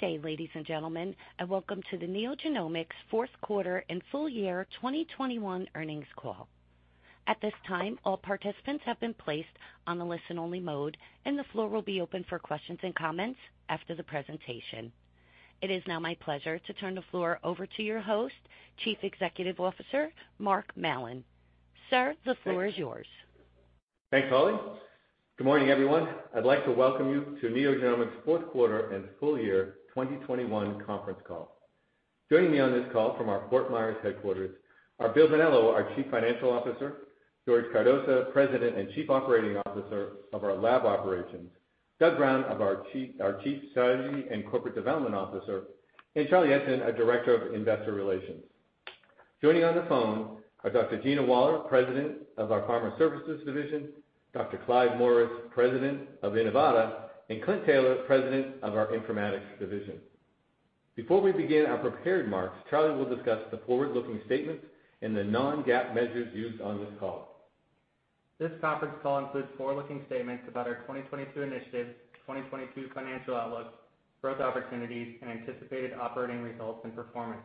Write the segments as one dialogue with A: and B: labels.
A: Good day, ladies and gentlemen, and welcome to the NeoGenomics fourth quarter and full year 2021 earnings call. At this time, all participants have been placed on a listen-only mode, and the floor will be open for questions and comments after the presentation. It is now my pleasure to turn the floor over to your host, Chief Executive Officer, Mark Mallon. Sir, the floor is yours.
B: Thanks, Holly. Good morning, everyone. I'd like to welcome you to NeoGenomics' fourth quarter and full year 2021 conference call. Joining me on this call from our Fort Myers headquarters are Bill Bonello, our Chief Financial Officer, George Cardoza, President and Chief Operating Officer of our lab operations, Doug Brown, our Chief Strategy and Corporate Development Officer, and Charlie Eidson, our Director of Investor Relations. Joining on the phone are Dr. Gina Wallar, President of our Pharma Services Division, Dr. Clive Morris, President of Inivata, and Clynt Taylor, President of our Informatics Division. Before we begin our prepared remarks, Charlie will discuss the forward-looking statements and the non-GAAP measures used on this call.
C: This conference call includes forward-looking statements about our 2022 initiatives, 2022 financial outlooks, growth opportunities, and anticipated operating results and performance.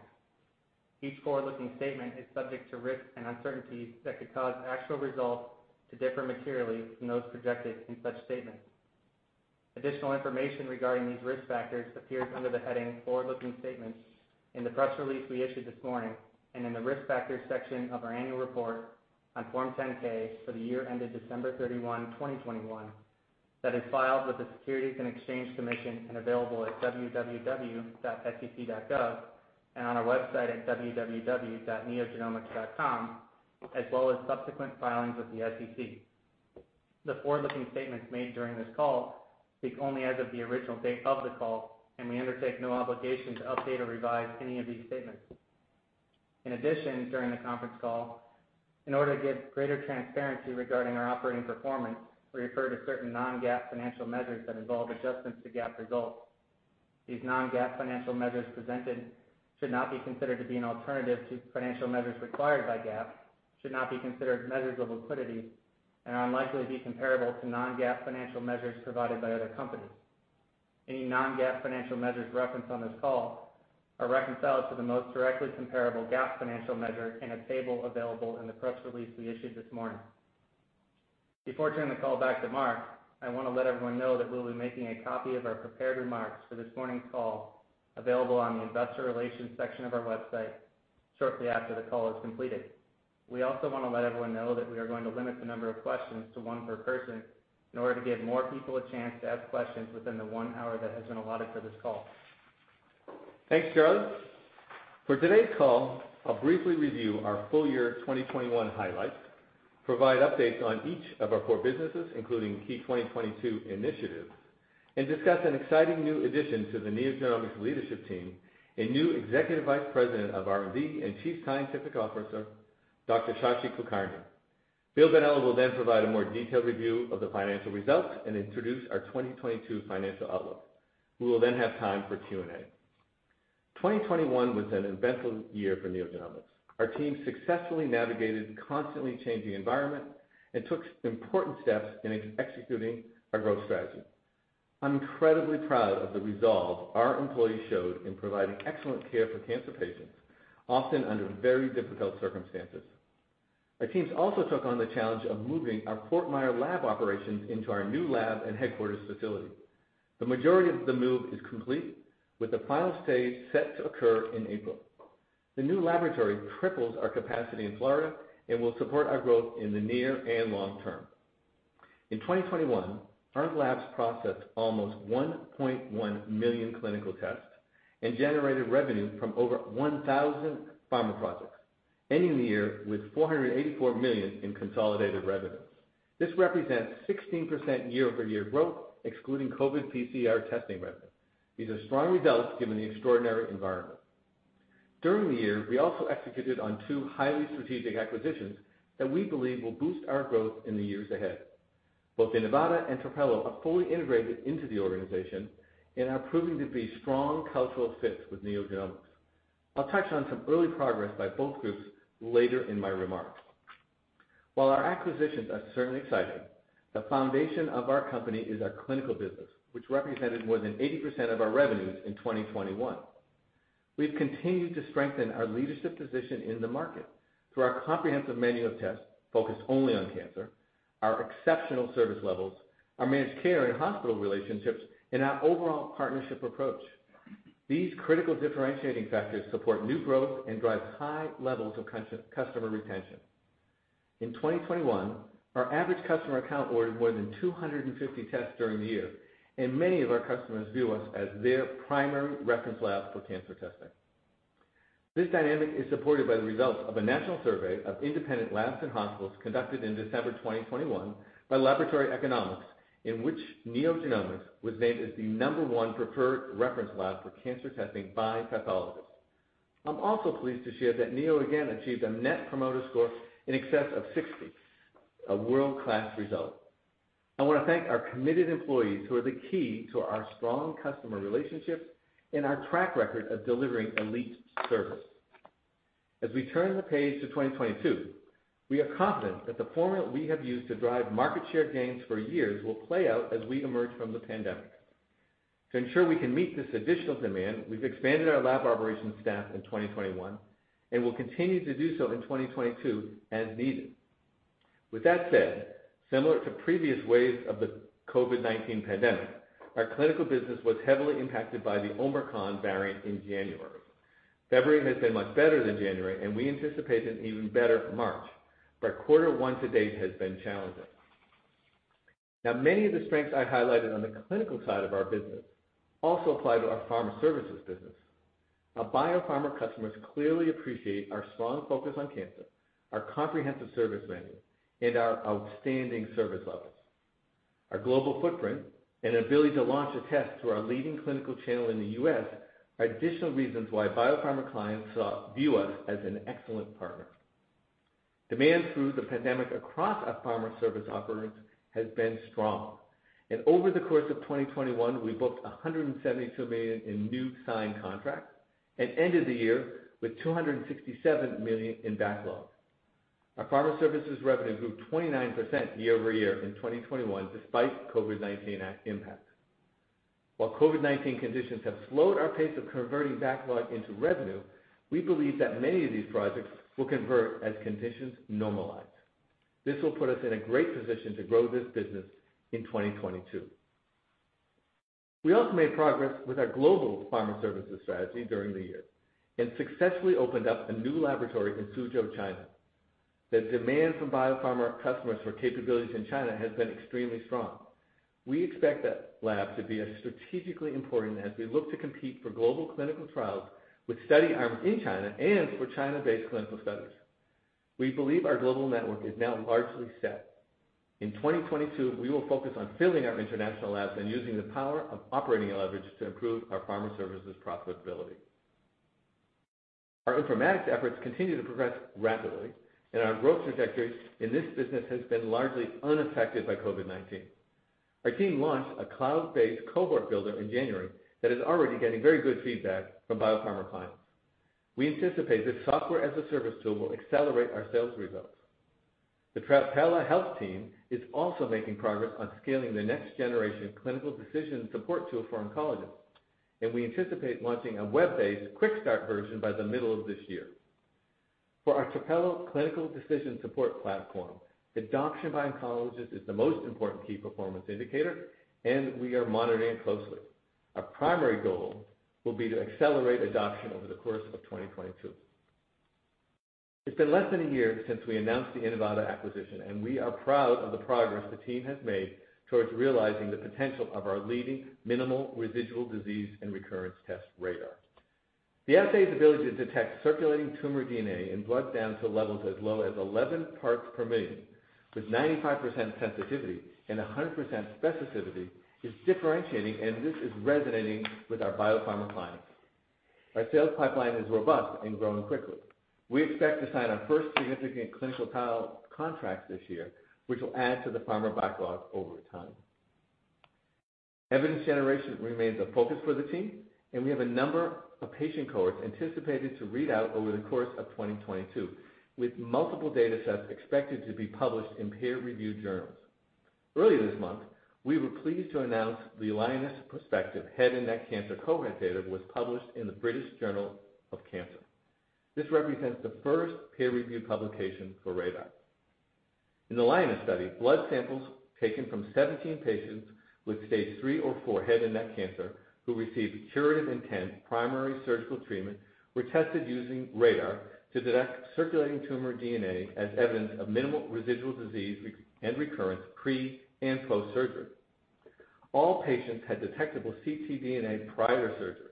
C: Each forward-looking statement is subject to risks and uncertainties that could cause actual results to differ materially from those projected in such statements. Additional information regarding these risk factors appears under the heading Forward-Looking Statements in the press release we issued this morning, and in the Risk Factors section of our annual report on Form 10-K for the year ended December 31, 2021 that is filed with the Securities and Exchange Commission and available at www.sec.gov and on our website at www.neogenomics.com, as well as subsequent filings with the SEC. The forward-looking statements made during this call speak only as of the original date of the call, and we undertake no obligation to update or revise any of these statements. In addition, during the conference call, in order to give greater transparency regarding our operating performance, we refer to certain non-GAAP financial measures that involve adjustments to GAAP results. These non-GAAP financial measures presented should not be considered to be an alternative to financial measures required by GAAP, should not be considered measures of liquidity, and are unlikely to be comparable to non-GAAP financial measures provided by other companies. Any non-GAAP financial measures referenced on this call are reconciled to the most directly comparable GAAP financial measure in a table available in the press release we issued this morning. Before turning the call back to Mark, I want to let everyone know that we'll be making a copy of our prepared remarks for this morning's call available on the Investor Relations section of our website shortly after the call is completed. We also want to let everyone know that we are going to limit the number of questions to one per person in order to give more people a chance to ask questions within the one hour that has been allotted for this call.
B: Thanks, Charlie. For today's call, I'll briefly review our full year 2021 highlights, provide updates on each of our core businesses, including key 2022 initiatives, and discuss an exciting new addition to the NeoGenomics leadership team and new Executive Vice President of R&D and Chief Scientific Officer, Dr. Shashi Kulkarni. Bill Bonello will then provide a more detailed review of the financial results and introduce our 2022 financial outlook. We will then have time for Q&A. 2021 was an eventful year for NeoGenomics. Our team successfully navigated constantly changing environment and took important steps in executing our growth strategy. I'm incredibly proud of the resolve our employees showed in providing excellent care for cancer patients, often under very difficult circumstances. Our teams also took on the challenge of moving our Fort Myers lab operations into our new lab and headquarters facility. The majority of the move is complete, with the final stage set to occur in April. The new laboratory triples our capacity in Florida and will support our growth in the near and long term. In 2021, our labs processed almost 1.1 million clinical tests and generated revenue from over 1,000 pharma projects, ending the year with $484 million in consolidated revenues. This represents 16% year-over-year growth, excluding COVID PCR testing revenue. These are strong results given the extraordinary environment. During the year, we also executed on two highly strategic acquisitions that we believe will boost our growth in the years ahead. Both Inivata and Trapelo are fully integrated into the organization and are proving to be strong cultural fits with NeoGenomics. I'll touch on some early progress by both groups later in my remarks. While our acquisitions are certainly exciting, the foundation of our company is our clinical business, which represented more than 80% of our revenues in 2021. We've continued to strengthen our leadership position in the market through our comprehensive menu of tests focused only on cancer, our exceptional service levels, our managed care and hospital relationships, and our overall partnership approach. These critical differentiating factors support new growth and drive high levels of customer retention. In 2021, our average customer account ordered more than 250 tests during the year, and many of our customers view us as their primary reference lab for cancer testing. This dynamic is supported by the results of a national survey of independent labs and hospitals conducted in December 2021 by Laboratory Economics, in which NeoGenomics was named as the number one preferred reference lab for cancer testing by pathologists. I'm also pleased to share that Neo again achieved a Net Promoter Score in excess of 60, a world-class result. I want to thank our committed employees who are the key to our strong customer relationships and our track record of delivering elite service. As we turn the page to 2022, we are confident that the formula we have used to drive market share gains for years will play out as we emerge from the pandemic. To ensure we can meet this additional demand, we've expanded our lab operations staff in 2021, and will continue to do so in 2022 as needed. With that said, similar to previous waves of the COVID-19 pandemic, our clinical business was heavily impacted by the Omicron variant in January. February has been much better than January, and we anticipate an even better March, but Q1 to date has been challenging. Now, many of the strengths I highlighted on the clinical side of our business also apply to our pharma services business. Our biopharma customers clearly appreciate our strong focus on cancer, our comprehensive service menu, and our outstanding service levels. Our global footprint and ability to launch a test through our leading clinical channel in the U.S. are additional reasons why biopharma clients view us as an excellent partner. Demand through the pandemic across our pharma service offerings has been strong. Over the course of 2021, we booked $172 million in new signed contracts and ended the year with $267 million in backlog. Our Pharma Services revenue grew 29% year-over-year in 2021, despite COVID-19 impacts. While COVID-19 conditions have slowed our pace of converting backlog into revenue, we believe that many of these projects will convert as conditions normalize. This will put us in a great position to grow this business in 2022. We also made progress with our Global Pharma Services strategy during the year and successfully opened up a new laboratory in Suzhou, China. The demand from biopharma customers for capabilities in China has been extremely strong. We expect that lab to be as strategically important as we look to compete for global clinical trials with study arms in China and for China-based clinical studies. We believe our global network is now largely set. In 2022, we will focus on filling our international labs and using the power of operating leverage to improve our pharma services profitability. Our Informatics efforts continue to progress rapidly, and our growth trajectory in this business has been largely unaffected by COVID-19. Our team launched a cloud-based cohort builder in January that is already getting very good feedback from biopharma clients. We anticipate this software as a service tool will accelerate our sales results. The Trapelo Health team is also making progress on scaling the next generation clinical decision support tool for oncologists, and we anticipate launching a web-based quick start version by the middle of this year. For our Trapelo clinical decision support platform, adoption by oncologists is the most important key performance indicator, and we are monitoring it closely. Our primary goal will be to accelerate adoption over the course of 2022. It's been less than a year since we announced the Inivata acquisition, and we are proud of the progress the team has made towards realizing the potential of our leading minimal residual disease and recurrence test, RaDaR. The assay's ability to detect circulating tumor DNA in blood down to levels as low as 11 parts per million with 95% sensitivity and 100% specificity is differentiating, and this is resonating with our biopharma clients. Our sales pipeline is robust and growing quickly. We expect to sign our first significant clinical trial contracts this year, which will add to the pharma backlog over time. Evidence generation remains a focus for the team, and we have a number of patient cohorts anticipated to read out over the course of 2022, with multiple datasets expected to be published in peer-reviewed journals. Earlier this month, we were pleased to announce the Alliance prospective head and neck cancer cohort data was published in the British Journal of Cancer. This represents the first peer review publication for RaDaR. In the Alliance study, blood samples taken from 17 patients with Stage 3 or 4 head and neck cancer who received curative intent primary surgical treatment were tested using RaDaR to detect circulating tumor DNA as evidence of minimal residual disease and recurrence pre- and post-surgery. All patients had detectable ctDNA prior to surgery.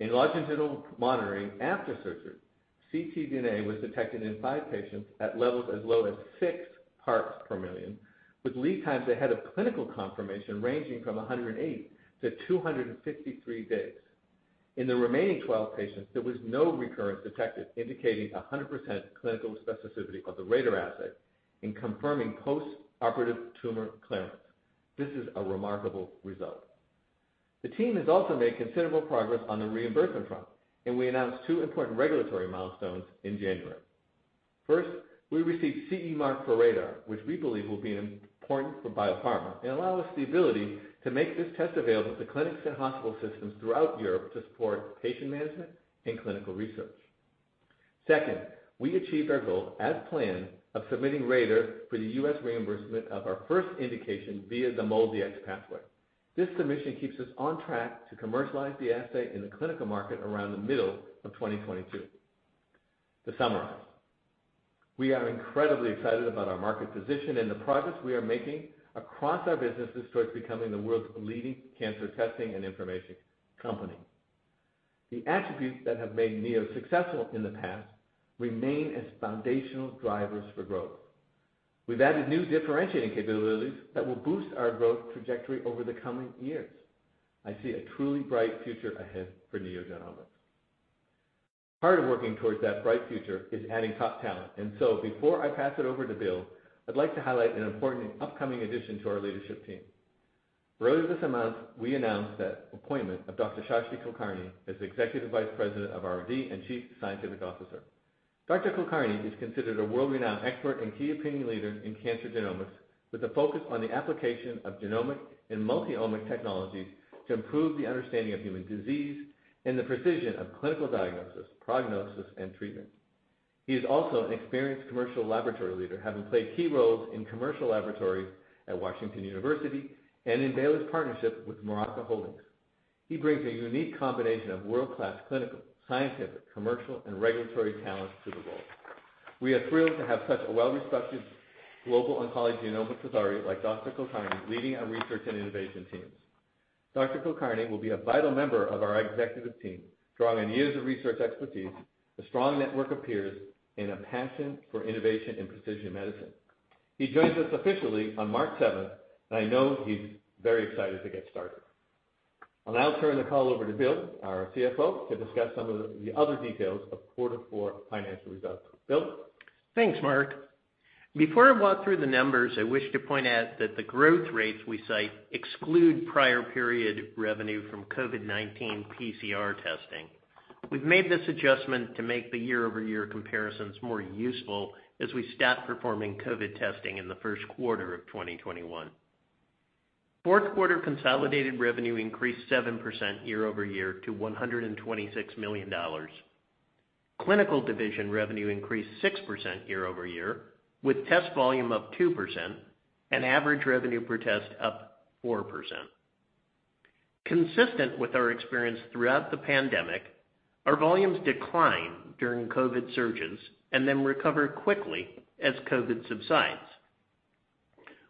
B: In longitudinal monitoring after surgery, ctDNA was detected in five patients at levels as low as 6 parts per million, with lead times ahead of clinical confirmation ranging from 108 to 253 days. In the remaining 12 patients, there was no recurrence detected, indicating 100% clinical specificity of the RaDaR assay in confirming postoperative tumor clearance. This is a remarkable result. The team has also made considerable progress on the reimbursement front, and we announced two important regulatory milestones in January. First, we received CE mark for RaDaR, which we believe will be important for biopharma and allow us the ability to make this test available to clinics and hospital systems throughout Europe to support patient management and clinical research. Second, we achieved our goal, as planned, of submitting RaDaR for the U.S. reimbursement of our first indication via the MolDX pathway. This submission keeps us on track to commercialize the assay in the clinical market around the middle of 2022. To summarize, we are incredibly excited about our market position and the progress we are making across our businesses towards becoming the world's leading cancer testing and information company. The attributes that have made Neo successful in the past remain as foundational drivers for growth. We've added new differentiating capabilities that will boost our growth trajectory over the coming years. I see a truly bright future ahead for NeoGenomics. Part of working towards that bright future is adding top talent. Before I pass it over to Bill, I'd like to highlight an important upcoming addition to our leadership team. Earlier this month, we announced the appointment of Dr. Shashi Kulkarni as Executive Vice President of R&D and Chief Scientific Officer. Kulkarni is considered a world-renowned expert and key opinion leader in cancer genomics, with a focus on the application of genomic and multi-omic technologies to improve the understanding of human disease and the precision of clinical diagnosis, prognosis, and treatment. He is also an experienced commercial laboratory leader, having played key roles in commercial laboratories at Washington University and in Baylor's partnership with Miraca Holdings. He brings a unique combination of world-class clinical, scientific, commercial, and regulatory talents to the role. We are thrilled to have such a well-respected global oncology genomics authority like Dr. Kulkarni leading our research and innovation teams. Dr. Kulkarni will be a vital member of our executive team, drawing on years of research expertise, a strong network of peers, and a passion for innovation in precision medicine. He joins us officially on March 7th, and I know he's very excited to get started. I'll now turn the call over to Bill, our CFO, to discuss some of the other details of quarter four financial results. Bill?
D: Thanks, Mark. Before I walk through the numbers, I wish to point out that the growth rates we cite exclude prior period revenue from COVID-19 PCR testing. We've made this adjustment to make the year-over-year comparisons more useful as we stop performing COVID testing in the first quarter of 2021. Fourth quarter consolidated revenue increased 7% year-over-year to $126 million. Clinical Division revenue increased 6% year-over-year, with test volume up 2% and average revenue per test up 4%. Consistent with our experience throughout the pandemic, our volumes decline during COVID surges and then recover quickly as COVID subsides.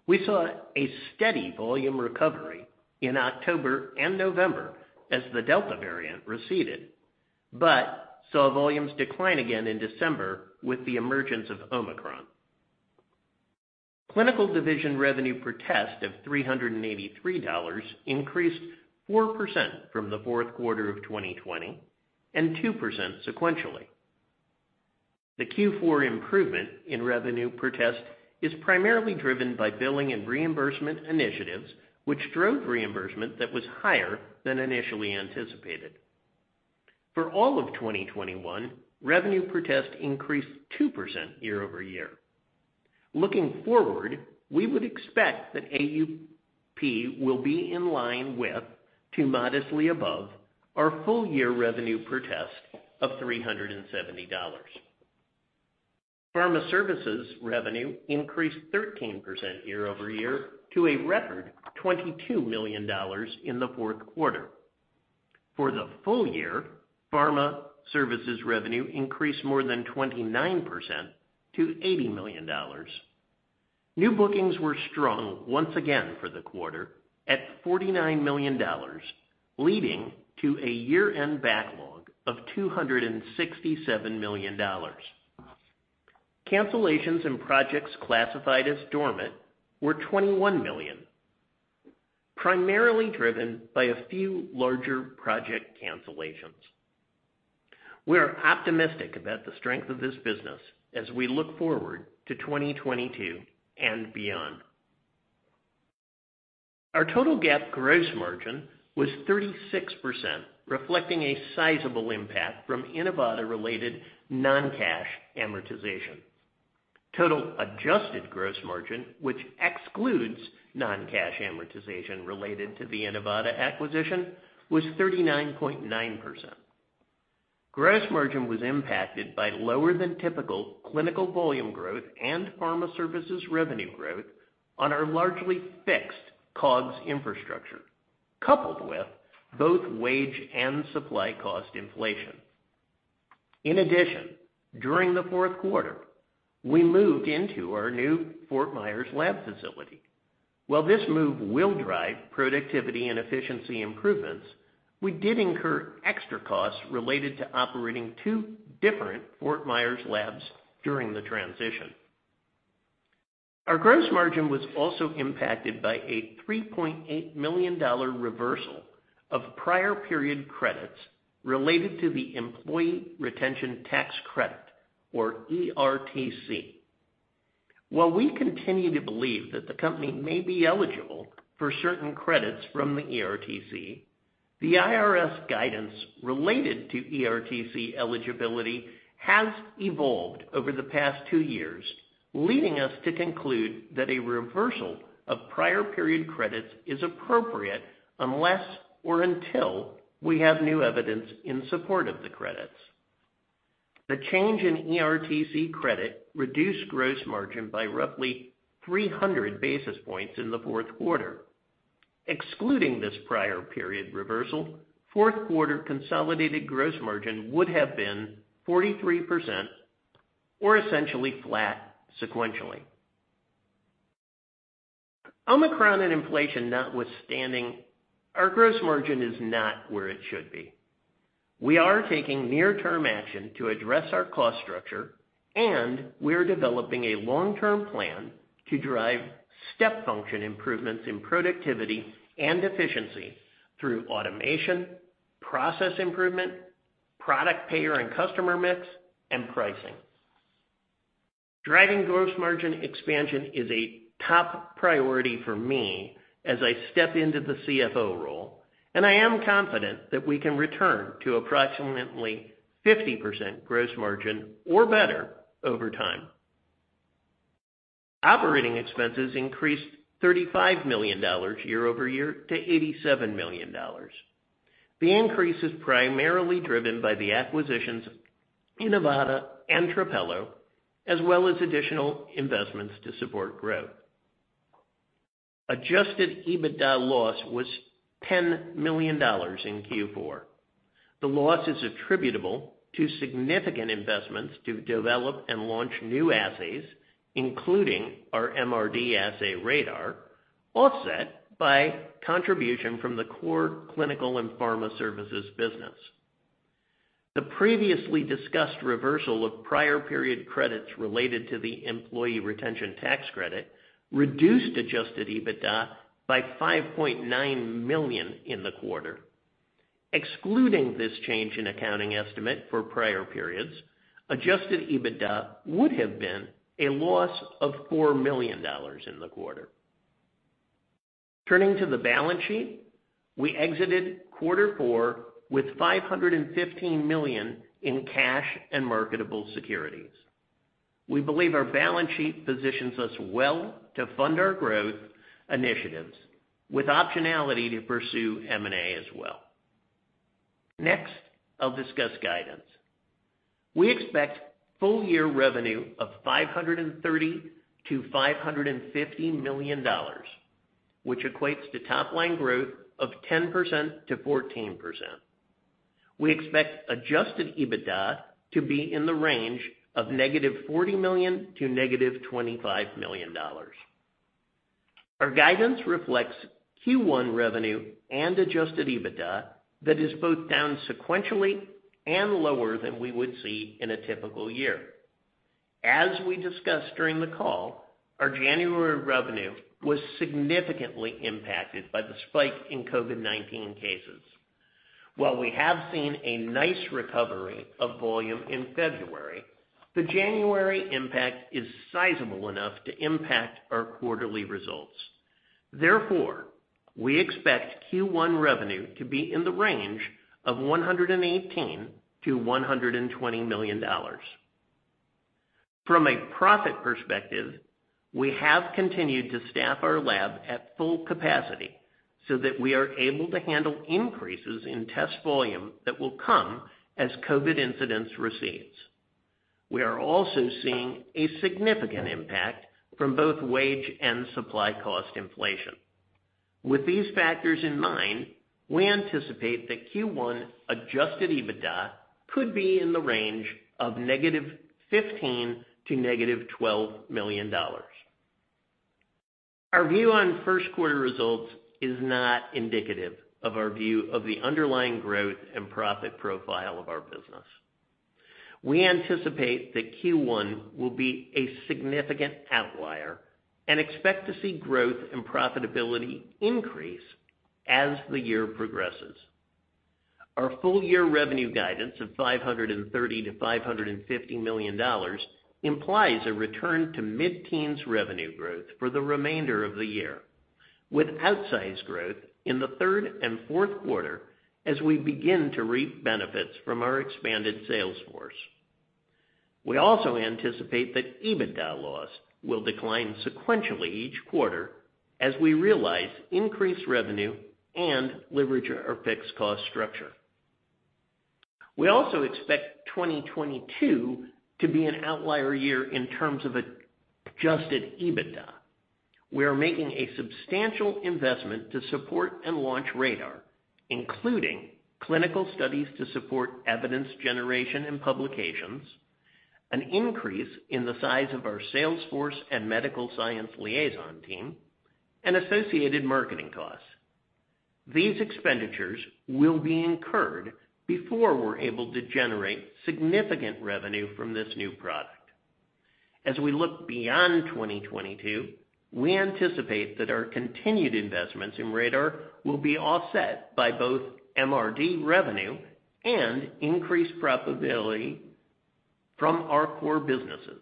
D: We saw a steady volume recovery in October and November as the Delta variant receded, but saw volumes decline again in December with the emergence of Omicron. Clinical Division revenue per test of $383 increased 4% from the fourth quarter of 2020 and 2% sequentially. The Q4 improvement in revenue per test is primarily driven by billing and reimbursement initiatives, which drove reimbursement that was higher than initially anticipated. For all of 2021, revenue per test increased 2% year-over-year. Looking forward, we would expect that AUP will be in line with to modestly above our full year revenue per test of $370. Pharma Services revenue increased 13% year-over-year to a record $22 million in the fourth quarter. For the full year, Pharma Services revenue increased more than 29% to $80 million. New bookings were strong once again for the quarter at $49 million, leading to a year-end backlog of $267 million. Cancellations and projects classified as dormant were $21 million, primarily driven by a few larger project cancellations. We are optimistic about the strength of this business as we look forward to 2022 and beyond. Our total GAAP gross margin was 36%, reflecting a sizable impact from Inivata-related non-cash amortization. Total adjusted gross margin, which excludes non-cash amortization related to the Inivata acquisition, was 39.9%. Gross margin was impacted by lower than typical clinical volume growth and Pharma Services revenue growth on our largely fixed COGS infrastructure, coupled with both wage and supply cost inflation. In addition, during the fourth quarter, we moved into our new Fort Myers lab facility. While this move will drive productivity and efficiency improvements, we did incur extra costs related to operating two different Fort Myers labs during the transition. Our gross margin was also impacted by a $3.8 million reversal of prior period credits related to the employee retention tax credit or ERTC. While we continue to believe that the company may be eligible for certain credits from the ERTC, the IRS guidance related to ERTC eligibility has evolved over the past two years, leading us to conclude that a reversal of prior period credits is appropriate unless or until we have new evidence in support of the credits. The change in ERTC credit reduced gross margin by roughly 300 basis points in the fourth quarter. Excluding this prior period reversal, fourth quarter consolidated gross margin would have been 43% or essentially flat sequentially. Omicron and inflation notwithstanding, our gross margin is not where it should be. We are taking near-term action to address our cost structure, and we are developing a long-term plan to drive step function improvements in productivity and efficiency through automation, process improvement, product payer and customer mix, and pricing. Driving gross margin expansion is a top priority for me as I step into the CFO role, and I am confident that we can return to approximately 50% gross margin or better over time. Operating expenses increased $35 million year-over-year to $87 million. The increase is primarily driven by the acquisitions in Inivata and Trapelo, as well as additional investments to support growth. Adjusted EBITDA loss was $10 million in Q4. The loss is attributable to significant investments to develop and launch new assays, including our MRD assay RaDaR, offset by contribution from the core Clinical and Pharma Services business. The previously discussed reversal of prior period credits related to the employee retention tax credit reduced adjusted EBITDA by $5.9 million in the quarter. Excluding this change in accounting estimate for prior periods, adjusted EBITDA would have been a loss of $4 million in the quarter. Turning to the balance sheet, we exited quarter four with $515 million in cash and marketable securities. We believe our balance sheet positions us well to fund our growth initiatives with optionality to pursue M&A as well. Next, I'll discuss guidance. We expect full year revenue of $530 million-$550 million, which equates to top line growth of 10%-14%. We expect adjusted EBITDA to be in the range of -$40 million to -$25 million. Our guidance reflects Q1 revenue and adjusted EBITDA that is both down sequentially and lower than we would see in a typical year. As we discussed during the call, our January revenue was significantly impacted by the spike in COVID-19 cases. While we have seen a nice recovery of volume in February, the January impact is sizable enough to impact our quarterly results. Therefore, we expect Q1 revenue to be in the range of $118 million-$120 million. From a profit perspective, we have continued to staff our lab at full capacity so that we are able to handle increases in test volume that will come as COVID incidence recedes. We are also seeing a significant impact from both wage and supply cost inflation. With these factors in mind, we anticipate that Q1 adjusted EBITDA could be in the range of -$15 million to -$12 million. Our view on first quarter results is not indicative of our view of the underlying growth and profit profile of our business. We anticipate that Q1 will be a significant outlier and expect to see growth and profitability increase as the year progresses. Our full year revenue guidance of $530 million-$550 million implies a return to mid-teens revenue growth for the remainder of the year, with outsized growth in the third and fourth quarter as we begin to reap benefits from our expanded sales force. We also anticipate that EBITDA loss will decline sequentially each quarter as we realize increased revenue and leverage our fixed cost structure. We also expect 2022 to be an outlier year in terms of adjusted EBITDA. We are making a substantial investment to support and launch RaDaR, including clinical studies to support evidence generation and publications, an increase in the size of our sales force and medical science liaison team, and associated marketing costs. These expenditures will be incurred before we're able to generate significant revenue from this new product. As we look beyond 2022, we anticipate that our continued investments in RaDaR will be offset by both MRD revenue and increased profitability from our core businesses,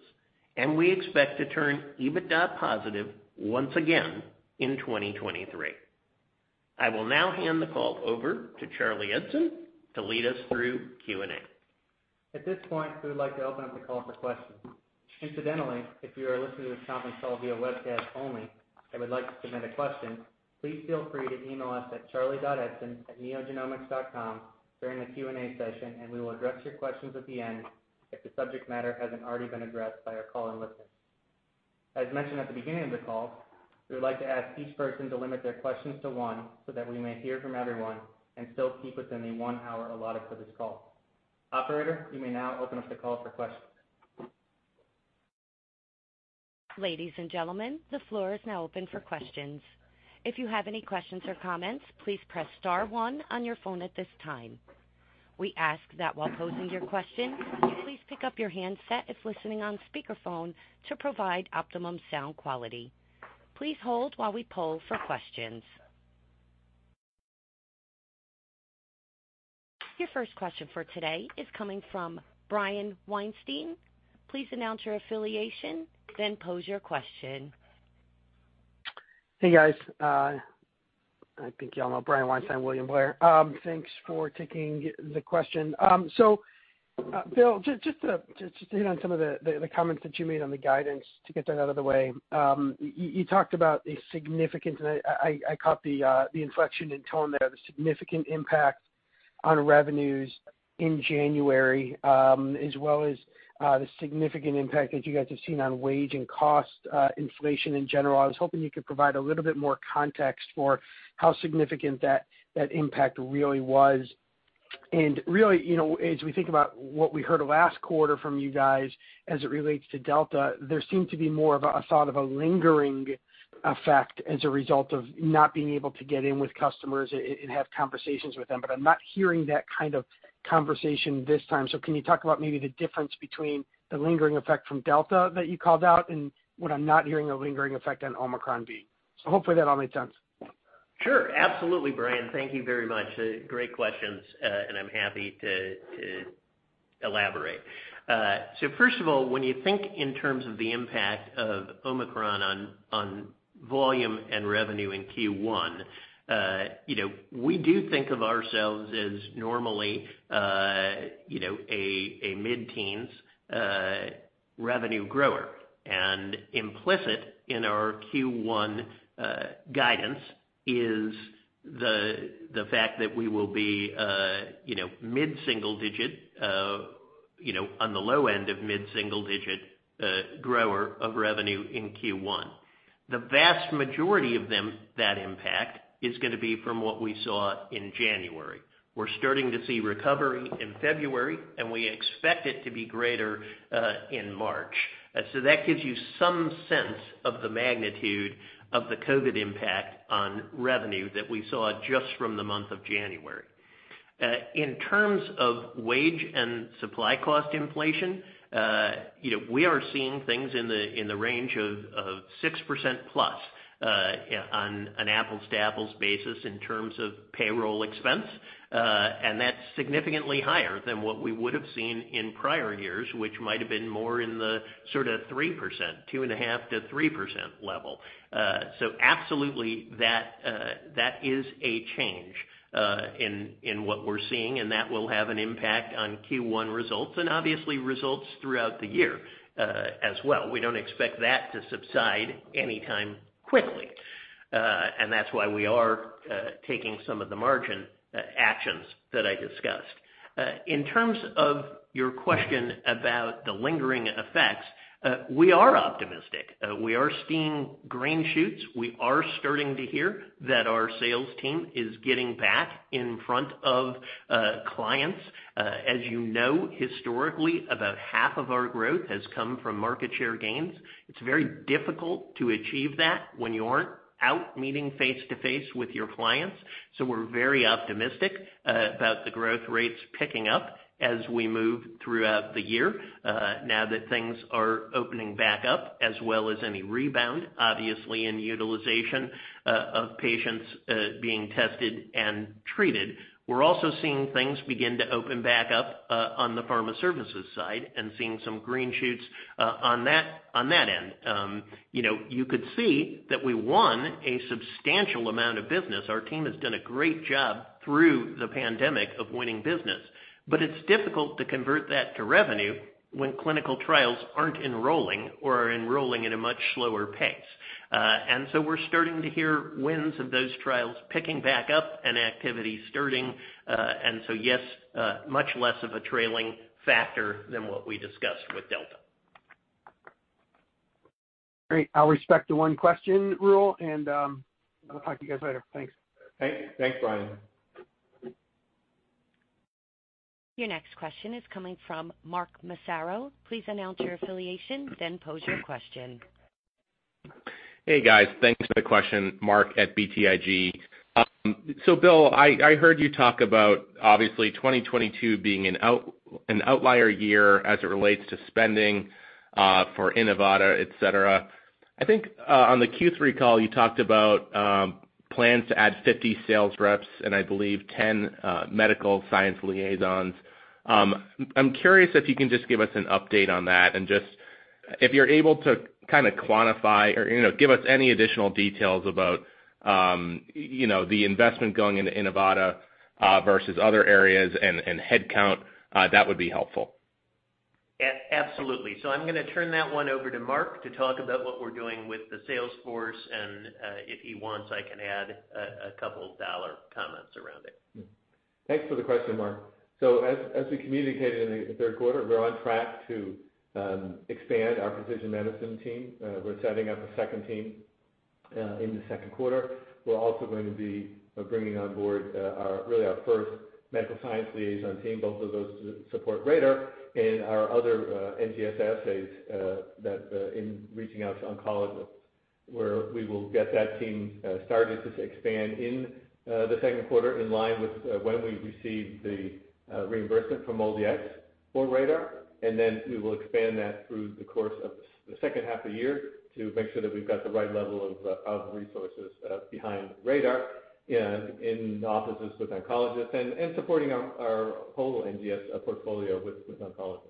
D: and we expect to turn EBITDA positive once again in 2023. I will now hand the call over to Charlie Eidson to lead us through Q&A.
C: At this point, we would like to open up the call for questions. Incidentally, if you are listening to this conference call via webcast only and would like to submit a question, please feel free to email us at Charlie.Eidson@neogenomics.com during the Q&A session, and we will address your questions at the end if the subject matter hasn't already been addressed during the call. As mentioned at the beginning of the call, we would like to ask each person to limit their questions to one so that we may hear from everyone and still keep within the one hour allotted for this call. Operator, you may now open up the call for questions.
A: Ladies and gentlemen, the floor is now open for questions. If you have any questions or comments, please press star one on your phone at this time. We ask that while posing your question, you please pick up your handset if listening on speakerphone to provide optimum sound quality. Please hold while we poll for questions. Your first question for today is coming from Brian Weinstein. Please announce your affiliation, then pose your question.
E: Hey, guys. I think you all know Brian Weinstein, William Blair. Thanks for taking the question. So, Bill, just to hit on some of the comments that you made on the guidance to get that out of the way. You talked about a significant impact on revenues in January, and I caught the inflection in tone there, the significant impact on revenues in January, as well as the significant impact that you guys have seen on wage and cost inflation in general. I was hoping you could provide a little bit more context for how significant that impact really was? Really, you know, as we think about what we heard last quarter from you guys as it relates to Delta, there seemed to be more of a thought of a lingering effect as a result of not being able to get in with customers and have conversations with them. I'm not hearing that kind of conversation this time. Can you talk about maybe the difference between the lingering effect from Delta that you called out and what I'm not hearing a lingering effect on Omicron be? Hopefully that all made sense.
D: Sure. Absolutely, Brian. Thank you very much. Great questions, and I'm happy to elaborate. First of all, when you think in terms of the impact of Omicron on volume and revenue in Q1, you know, we do think of ourselves as normally a mid-teens revenue grower. Implicit in our Q1 guidance is the fact that we will be mid-single digit, you know, on the low end of mid-single digit grower of revenue in Q1. The vast majority of that impact is gonna be from what we saw in January. We're starting to see recovery in February, and we expect it to be greater in March. That gives you some sense of the magnitude of the COVID impact on revenue that we saw just from the month of January. In terms of wage and supply cost inflation, you know, we are seeing things in the range of 6%+ on an apples-to-apples basis in terms of payroll expense. That's significantly higher than what we would have seen in prior years, which might have been more in the sort of 3%, 2.5%-3% level. Absolutely, that is a change in what we're seeing, and that will have an impact on Q1 results and obviously results throughout the year, as well. We don't expect that to subside anytime quickly. That's why we are taking some of the margin actions that I discussed. In terms of your question about the lingering effects, we are optimistic. We are seeing green shoots. We are starting to hear that our sales team is getting back in front of clients. As you know, historically, about half of our growth has come from market share gains. It's very difficult to achieve that when you aren't out meeting face-to-face with your clients. We're very optimistic about the growth rates picking up as we move throughout the year now that things are opening back up, as well as any rebound, obviously, in utilization of patients being tested and treated. We're also seeing things begin to open back up on the Pharma Services side and seeing some green shoots on that end. You know, you could see that we won a substantial amount of business. Our team has done a great job through the pandemic of winning business, but it's difficult to convert that to revenue when clinical trials aren't enrolling or are enrolling at a much slower pace. We're starting to hear winds of those trials picking back up and activity starting. Much less of a trailing factor than what we discussed with Delta.
E: Great. I'll respect the one question rule, and I'll talk to you guys later. Thanks.
D: Thanks, Brian.
A: Your next question is coming from Mark Massaro. Please announce your affiliation then pose your question.
F: Hey, guys. Thanks for the question. Mark at BTIG. So Bill, I heard you talk about obviously 2022 being an outlier year as it relates to spending for Inivata, et cetera. I think on the Q3 call, you talked about plans to add 50 sales reps and I believe 10 medical science liaisons? I'm curious if you can just give us an update on that and just if you're able to kinda quantify or, you know, give us any additional details about, you know, the investment going into Inivata versus other areas and headcount? That would be helpful.
D: Absolutely. I'm gonna turn that one over to Mark to talk about what we're doing with the sales force, and if he wants, I can add a couple dollar comments around it.
B: Thanks for the question, Mark. As we communicated in the third quarter, we're on track to expand our precision medicine team. We're setting up a second team in the second quarter. We're also going to be bringing on board our first medical science liaison team, both of those to support RaDaR and our other NGS assays that in reaching out to oncologists, where we will get that team started to expand in the second quarter in line with when we receive the reimbursement from MolDX for RaDaR. We will expand that through the course of the second half of the year to make sure that we've got the right level of resources behind RaDaR in offices with oncologists and supporting our whole NGS portfolio with oncologists.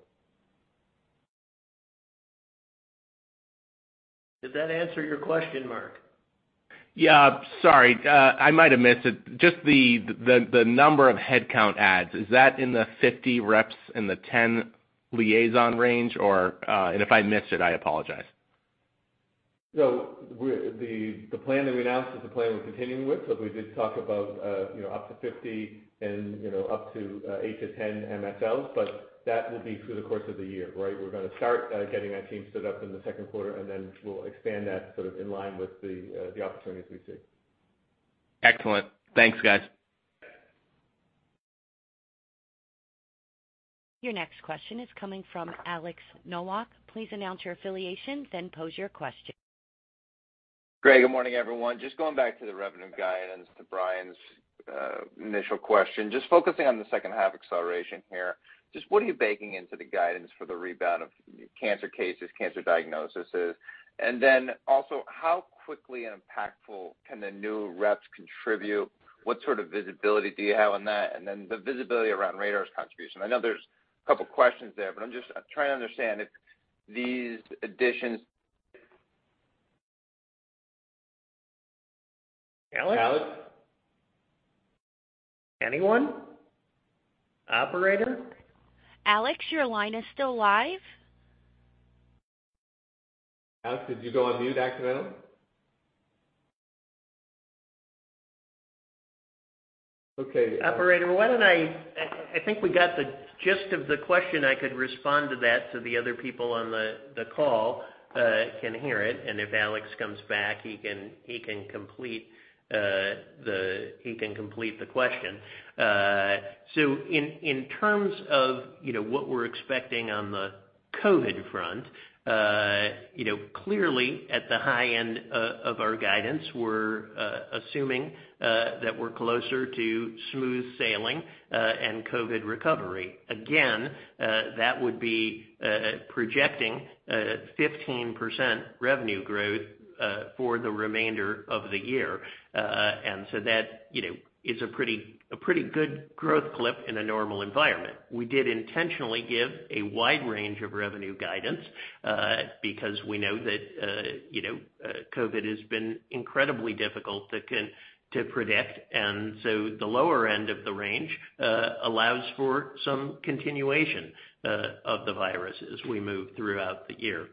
D: Does that answer your question, Mark?
F: Sorry, I might have missed it. Just the number of headcount adds, is that in the 50 reps and the 10 liaison range? If I missed it, I apologize.
B: The plan that we announced is the plan we're continuing with. We did talk about, you know, up to 50 and up to eight-10 MSLs, but that will be through the course of the year, right? We're gonna start getting our team set up in the second quarter, and then we'll expand that sort of in line with the opportunities we see.
F: Excellent. Thanks, guys.
A: Your next question is coming from Alex Nowak. Please announce your affiliation, then pose your question.
G: Great. Good morning, everyone. Just going back to the revenue guidance, to Brian's initial question, just focusing on the second half acceleration here. Just what are you baking into the guidance for the rebound of cancer cases, cancer diagnoses? And then also, how quickly and impactful can the new reps contribute? What sort of visibility do you have on that? And then the visibility around RaDaR's contribution. I know there's a couple questions there, but I'm just trying to understand if these additions-
D: Alex?
B: Alex?
D: Anyone? Operator?
A: Alex, your line is still live.
B: Alex, did you go on mute accidentally? Okay.
D: Operator, I think we got the gist of the question. I could respond to that so the other people on the call can hear it, and if Alex comes back, he can complete the question. In terms of, you know, what we're expecting on the COVID front, you know, clearly at the high end of our guidance, we're assuming that we're closer to smooth sailing and COVID recovery. Again, that would be projecting a 15% revenue growth for the remainder of the year. That, you know, is a pretty good growth clip in a normal environment. We did intentionally give a wide range of revenue guidance, because we know that, you know, COVID has been incredibly difficult to predict. The lower end of the range allows for some continuation of the virus as we move throughout the year.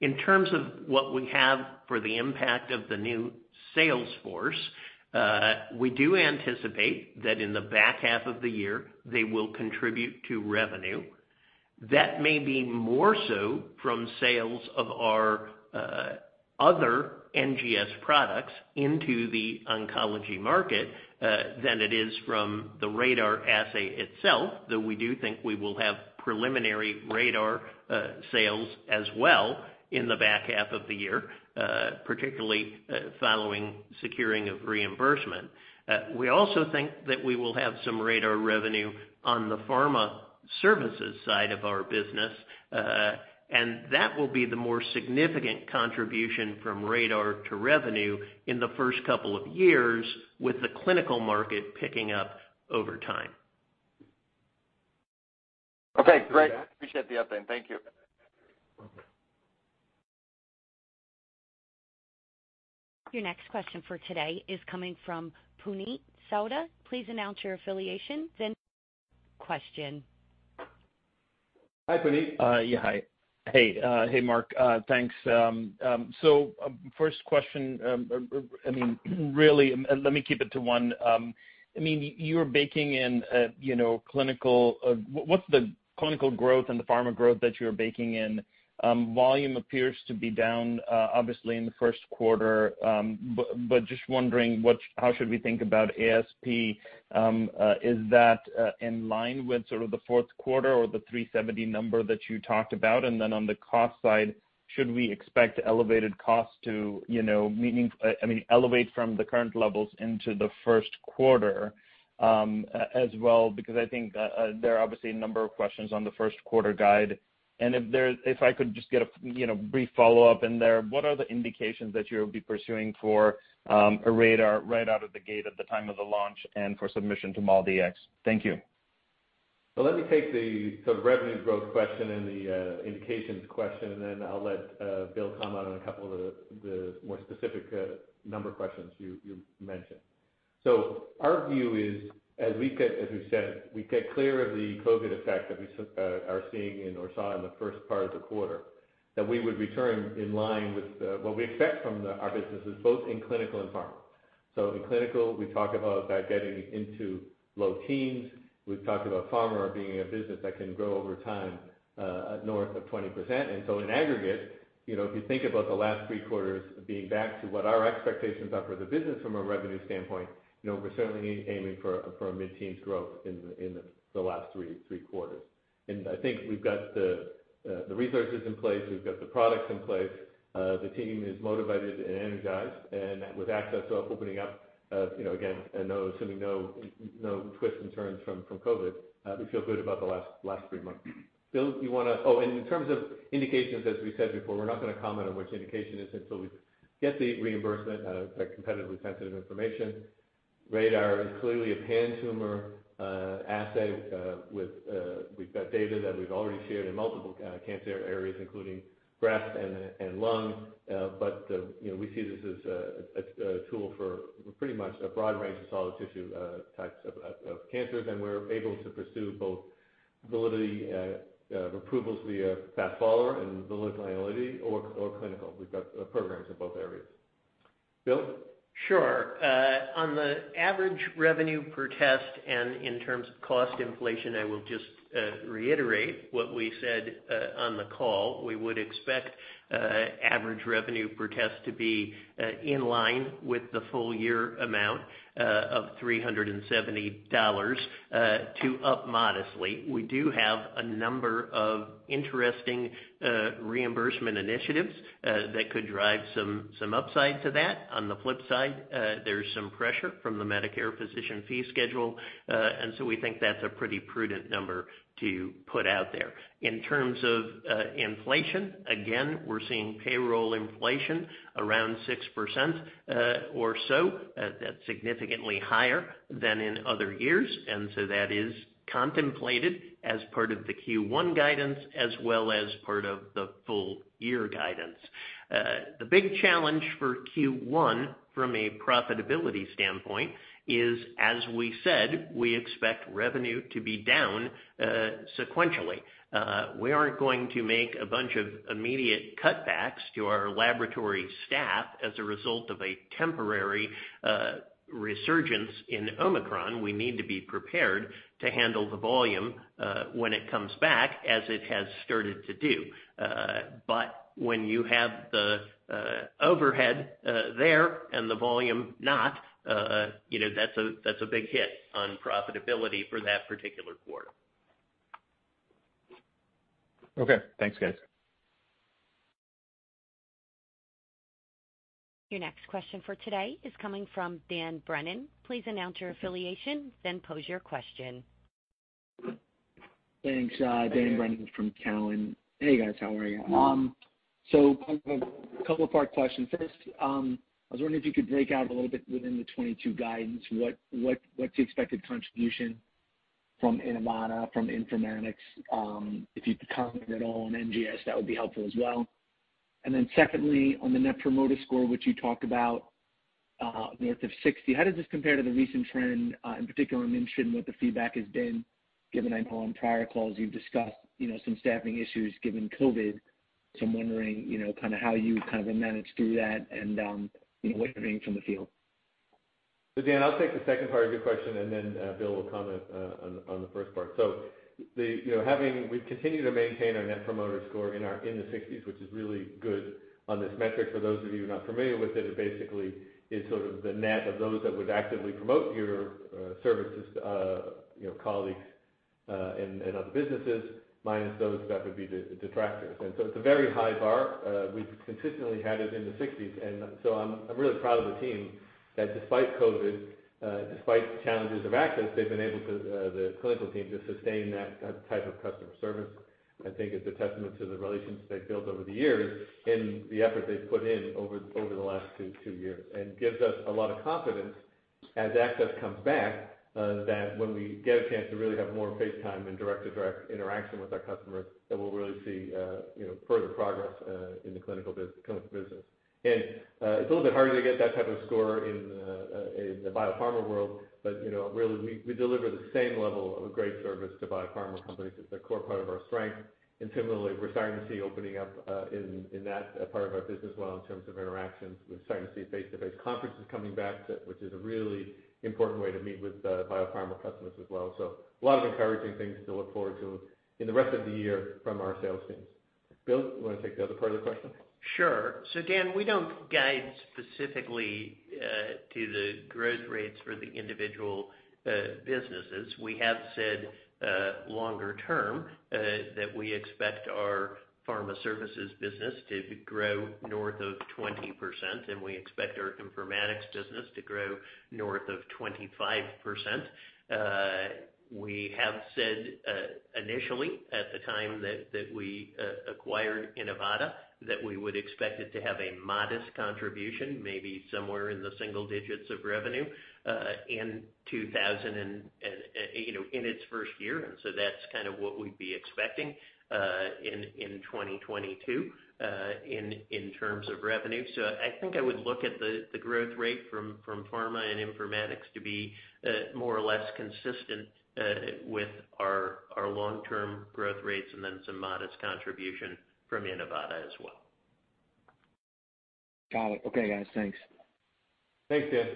D: In terms of what we have for the impact of the new sales force, we do anticipate that in the back half of the year, they will contribute to revenue. That may be more so from sales of our other NGS products into the oncology market than it is from the RaDaR assay itself, though we do think we will have preliminary RaDaR sales as well in the back half of the year, particularly following securing of reimbursement. We also think that we will have some RaDaR revenue on the Pharma Services side of our business, and that will be the more significant contribution from RaDaR to revenue in the first couple of years with the clinical market picking up over time.
G: Okay, great. Appreciate the update. Thank you.
A: Your next question for today is coming from Puneet Souda. Please announce your affiliation then question.
B: Hi, Puneet.
H: Hi. Hey, Mark. Thanks. So, first question, I mean, really, let me keep it to one. I mean, you're baking in, you know, clinical. What's the clinical growth and the pharma growth that you're baking in? Volume appears to be down, obviously in the first quarter, but just wondering how we should think about ASP. Is that in line with sort of the fourth quarter or the $370 number that you talked about? Then on the cost side, should we expect elevated costs to, you know, meaning, I mean, elevate from the current levels into the first quarter, as well, because I think there are obviously a number of questions on the first quarter guide. If I could just get a, you know, brief follow-up in there, what are the indications that you'll be pursuing for RaDaR right out of the gate at the time of the launch and for submission to MolDX? Thank you.
B: Let me take the sort of revenue growth question and the indications question, and then I'll let Bill comment on a couple of the more specific number questions you mentioned. Our view is, as we've said, we get clear of the COVID effect that we saw in the first part of the quarter, that we would return in line with what we expect from our businesses, both in Clinical and Pharma. In Clinical, we talk about getting into low teens. We've talked about Pharma being a business that can grow over time north of 20%. In aggregate, you know, if you think about the last three quarters being back to what our expectations are for the business from a revenue standpoint, you know, we're certainly aiming for a mid-teens growth in the last three quarters. I think we've got the resources in place, we've got the products in place. The team is motivated and energized. With access opening up, you know, again, assuming no twists and turns from COVID, we feel good about the last three months. Bill, you wanna. Oh, in terms of indications, as we said before, we're not gonna comment on which indication is until we get the reimbursement. That's competitively sensitive information. RaDaR is clearly a pan-tumor asset with we've got data that we've already shared in multiple cancer areas, including breast and lung. You know, we see this as a tool for pretty much a broad range of solid tissue types of cancers. We're able to pursue both FDA approvals via fast follower and FDA or clinical. We've got programs in both areas. Bill?
D: Sure. On the average revenue per test and in terms of cost inflation, I will just reiterate what we said on the call. We would expect average revenue per test to be in line with the full year amount of $370 to go up modestly. We do have a number of interesting reimbursement initiatives that could drive some upside to that. On the flip side, there's some pressure from the Medicare physician fee schedule, and so we think that's a pretty prudent number to put out there. In terms of inflation, again, we're seeing payroll inflation around 6% or so. That's significantly higher than in other years, and so that is contemplated as part of the Q1 guidance as well as part of the full year guidance. The big challenge for Q1 from a profitability standpoint is, as we said, we expect revenue to be down sequentially. We aren't going to make a bunch of immediate cutbacks to our laboratory staff as a result of a temporary resurgence in Omicron. We need to be prepared to handle the volume when it comes back, as it has started to do. When you have the overhead there and the volume not, you know, that's a big hit on profitability for that particular quarter.
B: Okay. Thanks, guys.
A: Your next question for today is coming from Dan Brennan. Please announce your affiliation, then pose your question.
I: Thanks. Dan Brennan from Cowen. Hey, guys. How are you? So a couple part questions. First, I was wondering if you could break out a little bit within the 2022 guidance, what's the expected contribution from Inivata, from Informatics, if you could comment at all on NGS? That would be helpful as well. Then secondly, on the Net Promoter Score, which you talked about, north of 60, how does this compare to the recent trend, in particular, I'm interested in what the feedback has been given on prior calls you've discussed, you know, some staffing issues given COVID-19. So I'm wondering, you know, kind of how you kind of have managed through that and, you know, what you're hearing from the field?
B: Dan, I'll take the second part of your question and then Bill will comment on the first part. You know, we've continued to maintain our Net Promoter Score in the 60s, which is really good on this metric. For those of you not familiar with it basically is sort of the net of those that would actively promote your services to you know colleagues and other businesses minus those that would be the detractors. It's a very high bar. We've consistently had it in the 60s, and so I'm really proud of the team that despite COVID despite challenges of access, they've been able to the clinical team to sustain that type of customer service. I think it's a testament to the relationships they've built over the years and the effort they've put in over the last two years. It gives us a lot of confidence as access comes back that when we get a chance to really have more face time and direct interaction with our customers, that we'll really see you know, further progress in the Clinical business. It's a little bit harder to get that type of score in the biopharma world. You know, really, we deliver the same level of a great service to biopharma companies. It's a core part of our strength. Similarly, we're starting to see opening up in that part of our business as well in terms of interactions. We're starting to see face-to-face conferences coming back, which is a really important way to meet with, biopharma customers as well. A lot of encouraging things to look forward to in the rest of the year from our sales teams. Bill, you wanna take the other part of the question?
D: Sure. Dan, we don't guide specifically to the growth rates for the individual businesses. We have said longer term that we expect our Pharma Services business to grow north of 20%, and we expect our Informatics business to grow north of 25%. We have said initially at the time that we acquired Inivata that we would expect it to have a modest contribution, maybe somewhere in the single digits of revenue, you know, in its first year. That's kind of what we'd be expecting in 2022 in terms of revenue. I think I would look at the growth rate from Pharma and Informatics to be more or less consistent with our long-term growth rates and then some modest contribution from Inivata as well.
I: Got it. Okay, guys. Thanks.
B: Thanks, Dan.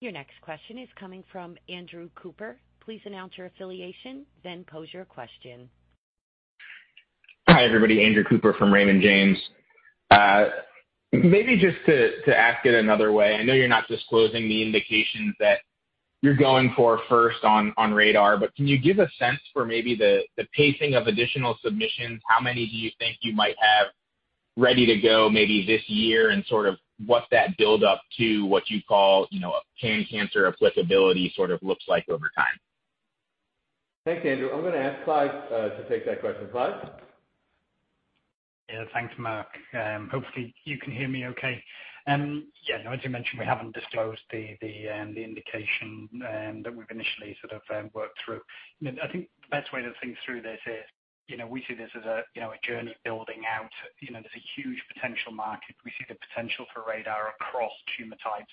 A: Your next question is coming from Andrew Cooper. Please announce your affiliation, then pose your question.
J: Hi, everybody. Andrew Cooper from Raymond James. Maybe just to ask it another way, I know you're not disclosing the indications that you're going for first on RaDaR, but can you give a sense for maybe the pacing of additional submissions? How many do you think you might have ready to go maybe this year, and sort of what that build up to what you call, you know, pan-cancer applicability sort of looks like over time?
B: Thanks, Andrew. I'm gonna ask Clive to take that question. Clive?
K: Yeah, thanks, Mark. Hopefully you can hear me okay. Yeah, as you mentioned, we haven't disclosed the indication that we've initially sort of worked through. I think the best way to think through this is, you know, we see this as a journey building out. You know, there's a huge potential market. We see the potential for RaDaR across tumor types,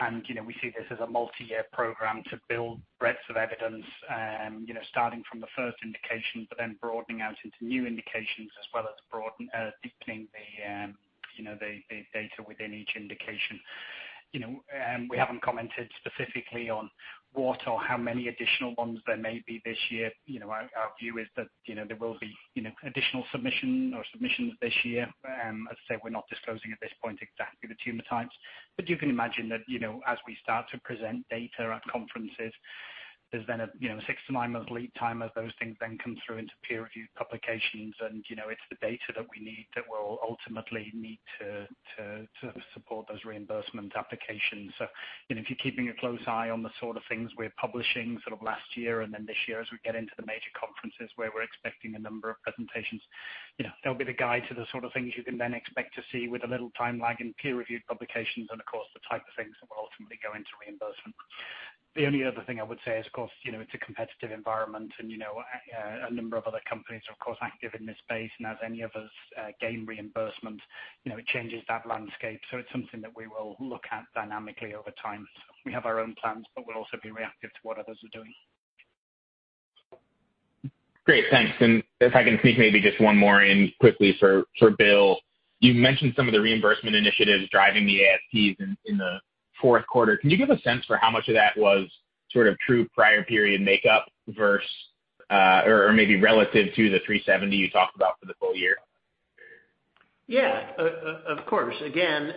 K: and you know, we see this as a multi-year program to build breadth of evidence, you know, starting from the first indication, but then broadening out into new indications as well as deepening the data within each indication. You know, we haven't commented specifically on what or how many additional ones there may be this year. You know, our view is that, you know, there will be, you know, additional submission or submissions this year. As I said, we're not disclosing at this point exactly the tumor types. You can imagine that, you know, as we start to present data at conferences, there's then a, you know, six to nine months lead time as those things then come through into peer-reviewed publications and, you know, it's the data that we need that we'll ultimately need to support those reimbursement applications. You know, if you're keeping a close eye on the sort of things we're publishing sort of last year and then this year as we get into the major conferences where we're expecting a number of presentations, you know, that'll be the guide to the sort of things you can then expect to see with a little time lag in peer-reviewed publications and of course, the type of things that will ultimately go into reimbursement. The only other thing I would say is, of course, you know, it's a competitive environment and, you know, a number of other companies are of course active in this space, and as any of us, gain reimbursement, you know, it changes that landscape. It's something that we will look at dynamically over time. We have our own plans, but we'll also be reactive to what others are doing.
J: Great. Thanks. If I can sneak maybe just one more in quickly for Bill. You mentioned some of the reimbursement initiatives driving the ASPs in the fourth quarter. Can you give a sense for how much of that was sort of true-up prior period makeup versus or maybe relative to the $370 you talked about for the full year?
D: Yeah. Of course. Again,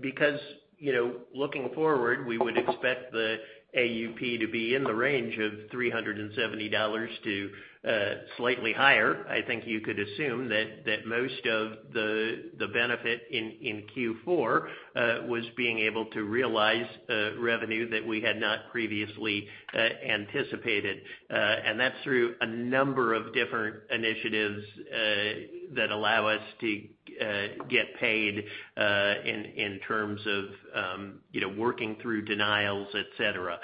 D: because, you know, looking forward, we would expect the AUP to be in the range of $370 to slightly higher. I think you could assume that most of the benefit in Q4 was being able to realize revenue that we had not previously anticipated. That's through a number of different initiatives that allow us to get paid in terms of, you know, working through denials, et cetera.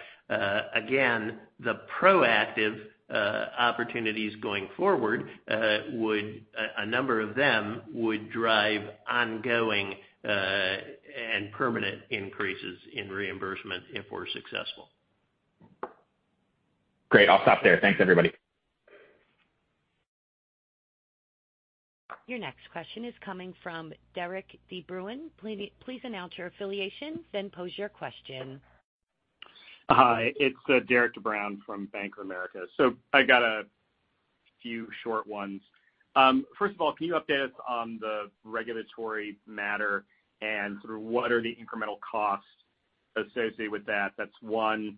D: Again, the proactive opportunities going forward, a number of them would drive ongoing and permanent increases in reimbursement if we're successful.
J: Great. I'll stop there. Thanks, everybody.
A: Your next question is coming from Derik De Bruin. Please announce your affiliation, then pose your question.
L: Hi, it's Derik De Bruin from Bank of America. I got a few short ones. First of all, can you update us on the regulatory matter and sort of what are the incremental costs associated with that? That's one.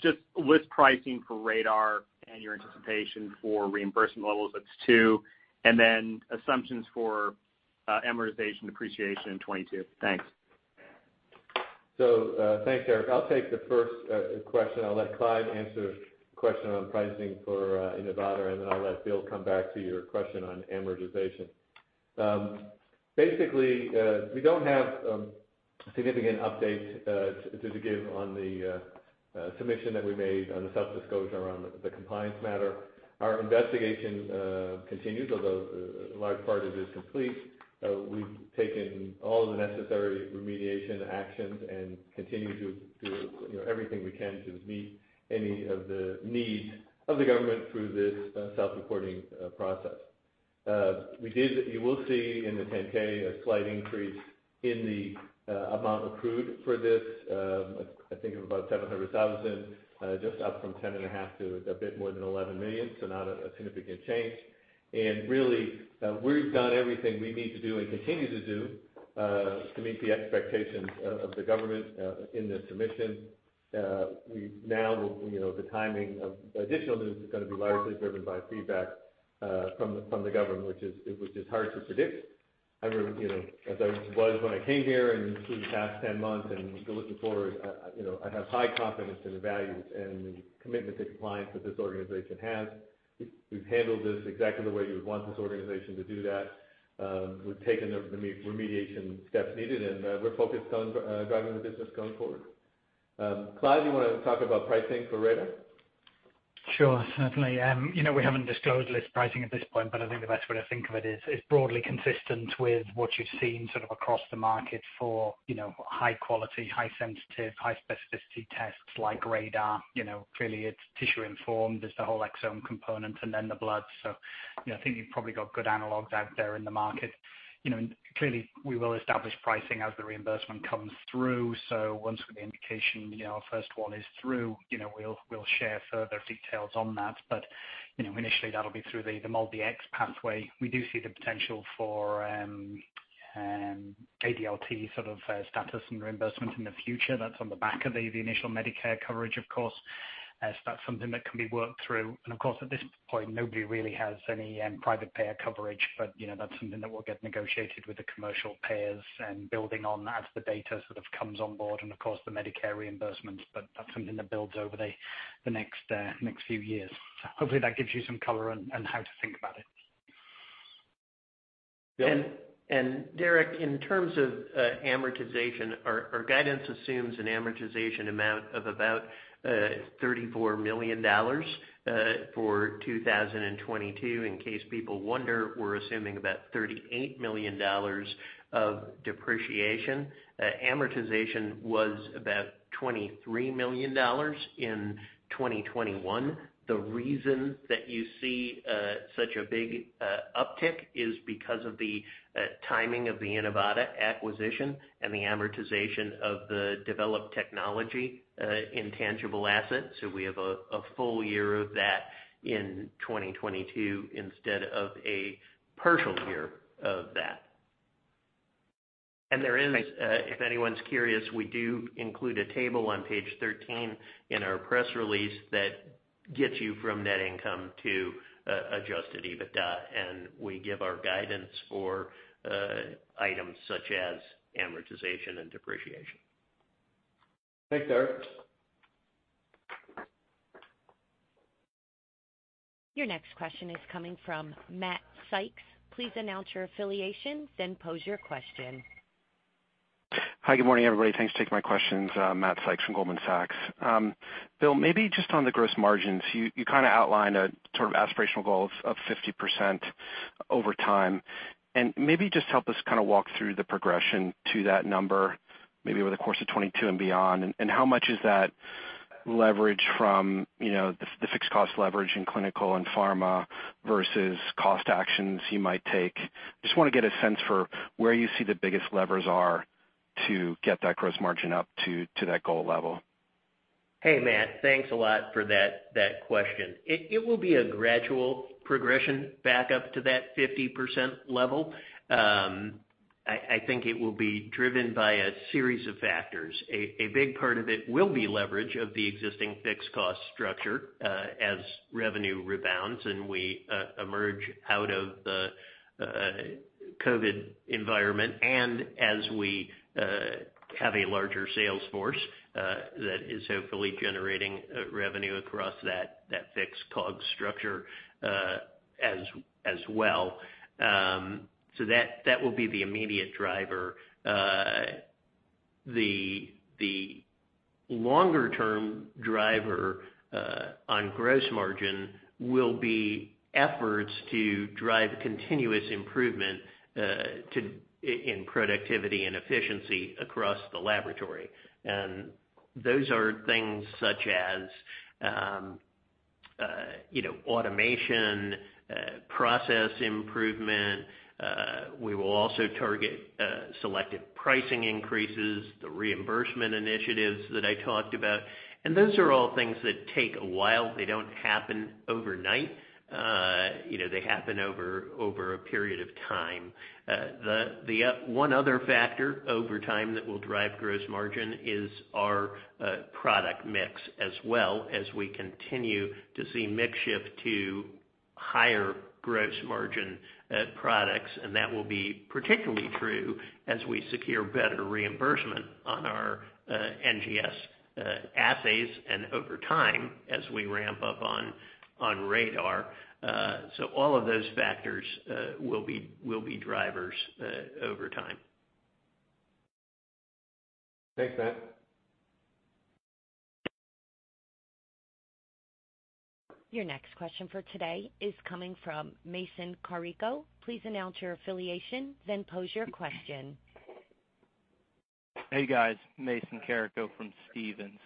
L: Just list pricing for RaDaR and your anticipation for reimbursement levels? That's two. Assumptions for amortization depreciation in 2022? Thanks.
B: Thanks, Derik. I'll take the first question. I'll let Clive answer question on pricing for Inivata, and then I'll let Bill come back to your question on amortization. Basically, we don't have significant updates to give on the submission that we made on the self-disclosure around the compliance matter. Our investigation continues, although a large part of it is complete. We've taken all the necessary remediation actions and continue to you know, everything we can to meet any of the needs of the government through this self-reporting process. You will see in the 10-K a slight increase in the amount accrued for this. I think of about $700,000, just up from $10.5 million to a bit more than $11 million, so not a significant change. Really, we've done everything we need to do and continue to do to meet the expectations of the government in this submission. We now, you know, the timing of additional news is gonna be largely driven by feedback from the government, which is hard to predict. You know, as I was when I came here and through the past 10 months and looking forward, I have high confidence in the values and the commitment to compliance that this organization has. We've handled this exactly the way you would want this organization to do that. We've taken the remediation steps needed, and we're focused on driving the business going forward. Clive, you wanna talk about pricing for RaDaR?
K: Sure. Certainly. You know, we haven't disclosed list pricing at this point, but I think the best way to think of it is broadly consistent with what you've seen sort of across the market for, you know, high quality, high sensitive, high specificity tests like RaDaR. You know, clearly it's tissue informed, there's the whole exome component and then the blood. You know, I think you've probably got good analogs out there in the market. You know, and clearly we will establish pricing as the reimbursement comes through. Once with the indication, you know, our first one is through, you know, we'll share further details on that. You know, initially that'll be through the MolDX pathway. We do see the potential for ADLT sort of status and reimbursement in the future. That's on the back of the initial Medicare coverage, of course, as that's something that can be worked through. Of course, at this point, nobody really has any private payer coverage, but you know, that's something that will get negotiated with the commercial payers and building on as the data sort of comes on board and of course the Medicare reimbursements, but that's something that builds over the next few years. Hopefully, that gives you some color on how to think about it.
D: Derik, in terms of amortization, our guidance assumes an amortization amount of about $34 million for 2022. In case people wonder, we're assuming about $38 million of depreciation. Amortization was about $23 million in 2021. The reason that you see such a big uptick is because of the timing of the Inivata acquisition and the amortization of the developed technology, intangible assets. We have a full year of that in 2022 instead of a partial year of that. If anyone's curious, we do include a table on Page 13 in our press release that gets you from net income to adjusted EBITDA. We give our guidance for items such as amortization and depreciation.
B: Thanks, Derik.
A: Your next question is coming from Matt Sykes. Please announce your affiliation, then pose your question.
M: Hi, good morning, everybody. Thanks for taking my questions. Matt Sykes from Goldman Sachs. Bill, maybe just on the gross margins, you kind of outlined a sort of aspirational goal of 50% over time. Maybe just help us kind of walk through the progression to that number, maybe over the course of 2022 and beyond, and how much is that leverage from, you know, the fixed cost leverage in Clinical and Pharma versus cost actions you might take? Just wanna get a sense for where you see the biggest levers are to get that gross margin up to that goal level?
D: Hey, Matt, thanks a lot for that question. It will be a gradual progression back up to that 50% level. I think it will be driven by a series of factors. A big part of it will be leverage of the existing fixed cost structure, as revenue rebounds and we emerge out of the COVID environment and as we have a larger sales force that is hopefully generating revenue across that fixed COGS structure, as well. That will be the immediate driver. The longer term driver on gross margin will be efforts to drive continuous improvement to in productivity and efficiency across the laboratory. Those are things such as you know automation process improvement. We will also target selective pricing increases, the reimbursement initiatives that I talked about. Those are all things that take a while. They don't happen overnight. You know, they happen over a period of time. One other factor over time that will drive gross margin is our product mix as well as we continue to see mix shift to higher gross margin products, and that will be particularly true as we secure better reimbursement on our NGS assays and over time as we ramp up on RaDaR. All of those factors will be drivers over time.
B: Thanks, Matt.
A: Your next question for today is coming from Mason Carrico. Please announce your affiliation, then pose your question.
N: Hey, guys. Mason Carrico from Stephens.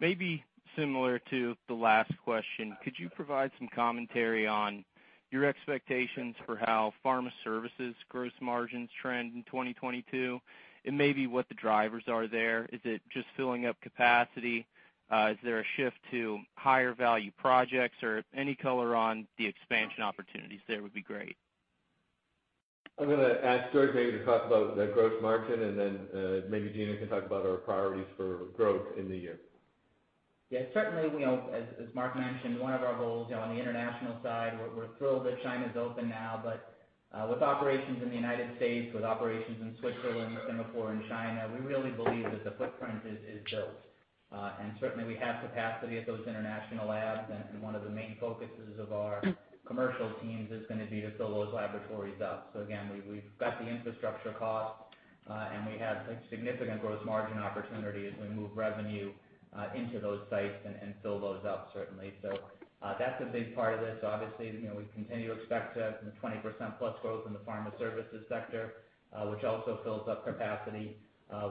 N: Maybe similar to the last question, could you provide some commentary on your expectations for how Pharma Services gross margins trend in 2022 and maybe what the drivers are there? Is it just filling up capacity? Is there a shift to higher value projects or any color on the expansion opportunities there would be great.
B: I'm gonna ask George maybe to talk about the gross margin and then, maybe Gina can talk about our priorities for growth in the year.
O: Certainly, you know, as Mark mentioned, one of our goals, you know, on the international side, we're thrilled that China's open now. With operations in the United States, with operations in Switzerland, Singapore and China, we really believe that the footprint is built. Certainly we have capacity at those international labs. One of the main focuses of our commercial teams is gonna be to fill those laboratories up. Again, we've got the infrastructure costs, and we have a significant gross margin opportunity as we move revenue into those sites and fill those up, certainly. That's a big part of this. Obviously, you know, we continue to expect the 20%+ growth in the pharma services sector, which also fills up capacity.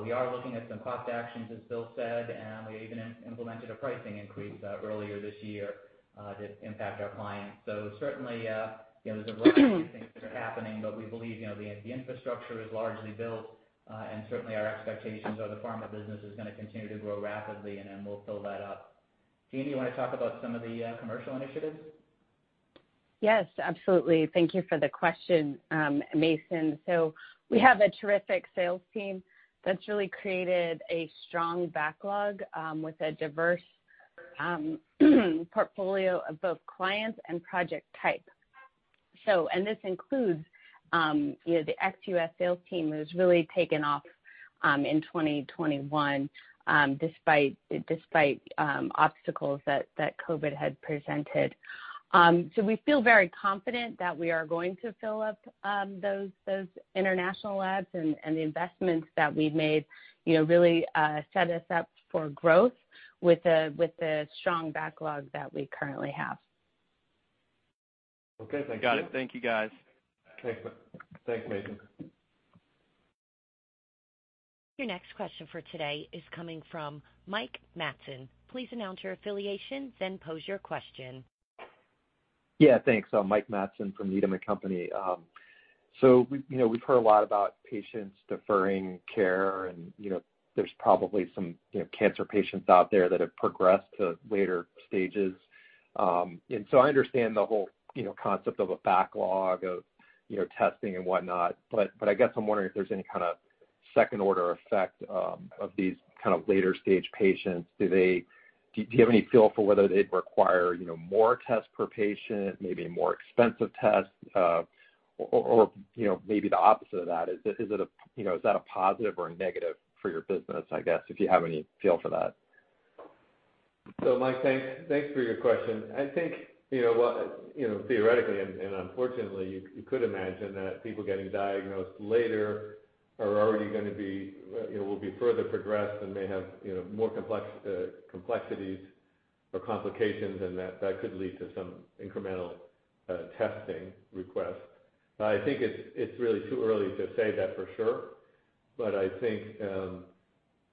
O: We are looking at some cost actions, as Bill said, and we even implemented a pricing increase earlier this year to impact our clients. Certainly, you know, there's a variety of things that are happening, but we believe, you know, the infrastructure is largely built, and certainly our expectations are the Pharma business is gonna continue to grow rapidly and then we'll fill that up. Gina, you wanna talk about some of the commercial initiatives?
P: Yes, absolutely. Thank you for the question, Mason. We have a terrific sales team that's really created a strong backlog with a diverse portfolio of both clients and project types. This includes, you know, the ex-U.S. sales team has really taken off in 2021 despite obstacles that COVID had presented. We feel very confident that we are going to fill up those international labs and the investments that we've made, you know, really set us up for growth with the strong backlog that we currently have.
B: Okay. Thank you.
N: Got it. Thank you, guys.
B: Okay. Thanks, Mason.
A: Your next question for today is coming from Mike Matson. Please announce your affiliation, then pose your question.
Q: Yeah. Thanks. Mike Matson from Needham & Co. We, you know, we've heard a lot about patients deferring care and, you know, there's probably some, you know, cancer patients out there that have progressed to later stages. I understand the whole, you know, concept of a backlog of, you know, testing and whatnot, but I guess I'm wondering if there's any kind of second order effect of these kind of later stage patients? Do you have any feel for whether they'd require, you know, more tests per patient, maybe more expensive tests, or, you know, maybe the opposite of that. Is that a positive or a negative for your business, I guess, if you have any feel for that?
B: Mike, thanks for your question. I think, you know, theoretically and unfortunately, you could imagine that people getting diagnosed later are already gonna be, you know, will be further progressed and may have, you know, more complex complexities or complications and that could lead to some incremental testing requests. I think it's really too early to say that for sure, but I think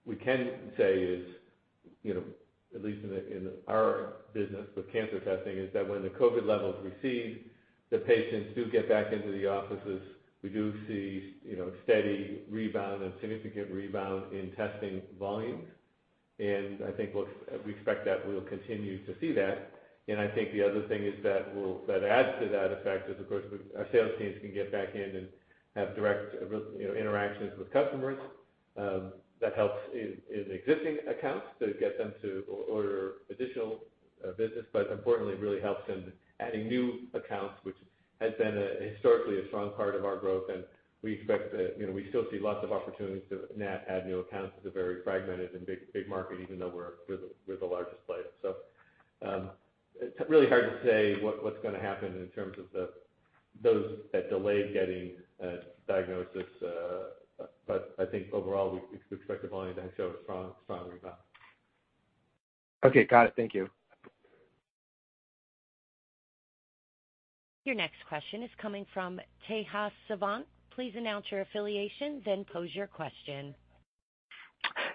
B: we can say is, you know, at least in our business with cancer testing, is that when the COVID levels recede, the patients do get back into the offices, we do see, you know, steady rebound and significant rebound in testing volumes. I think we expect that we'll continue to see that. I think the other thing is that adds to that effect is, of course, our sales teams can get back in and have direct you know, interactions with customers. That helps in existing accounts to get them to order additional business, but importantly, really helps in adding new accounts, which has been historically a strong part of our growth. We expect that, you know, we still see lots of opportunities to net add new accounts. It's a very fragmented and big market, even though we're the largest player. It's really hard to say what's gonna happen in terms of those that delayed getting diagnosis. But I think overall we expect the volume to show a strong rebound.
Q: Okay. Got it. Thank you.
A: Your next question is coming from Tejas Savant. Please announce your affiliation, then pose your question.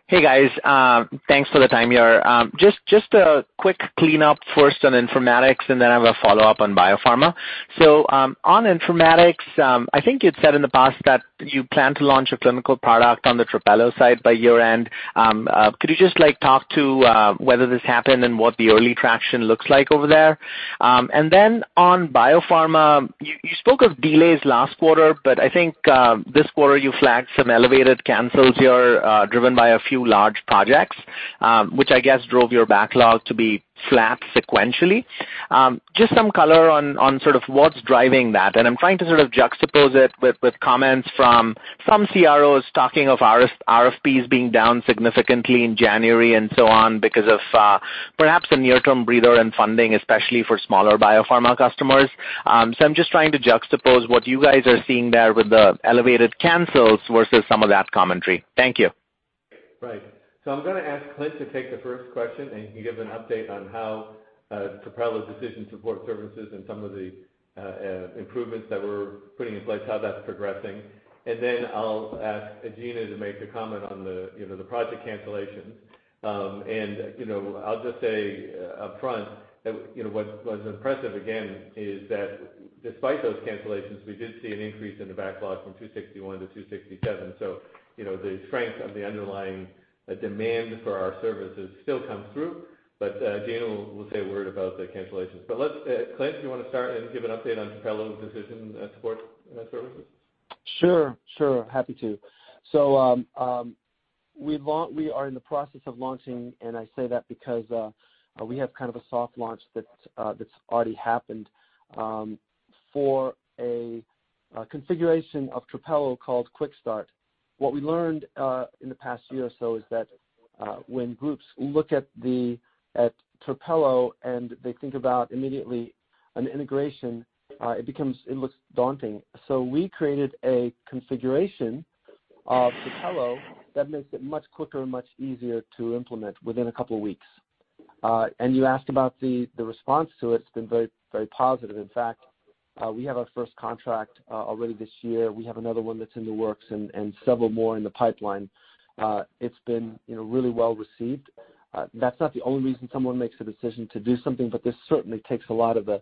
R: Hey, guys. Thanks for the time here. Just a quick cleanup first on informatics, and then I have a follow-up on biopharma. On informatics, I think you'd said in the past that you plan to launch a clinical product on the Trapelo side by year-end. Could you just like talk to whether this happened and what the early traction looks like over there? On biopharma, you spoke of delays last quarter, but I think this quarter you flagged some elevated cancels here, driven by a few large projects, which I guess drove your backlog to be flat sequentially. Just some color on sort of what's driving that. I'm trying to sort of juxtapose it with comments from some CROs talking of RFPs being down significantly in January and so on because of perhaps a near-term breather in funding, especially for smaller biopharma customers. I'm just trying to juxtapose what you guys are seeing there with the elevated cancels versus some of that commentary. Thank you.
B: Right. I'm gonna ask Clynt to take the first question, and he can give an update on how Trapelo's decision support services and some of the improvements that we're putting in place, how that's progressing. Then I'll ask Gina to make a comment on the project cancellations. I'll just say upfront that what's impressive again is that despite those cancellations, we did see an increase in the backlog from $261 million to $267 million. The strength of the underlying demand for our services still comes through. Gina will say a word about the cancellations. Let's Clynt, do you wanna start and give an update on Trapelo's decision support services?
S: Sure. Happy to. We are in the process of launching, and I say that because we have kind of a soft launch that's already happened for a configuration of Trapelo called Quick Start. What we learned in the past year or so is that when groups look at Trapelo and they think about immediately an integration it looks daunting. We created a configuration of Trapelo that makes it much quicker and much easier to implement within a couple weeks. You asked about the response to it. It's been very, very positive. In fact, we have our first contract already this year. We have another one that's in the works and several more in the pipeline. It's been, you know, really well received. That's not the only reason someone makes the decision to do something, but this certainly takes a lot of the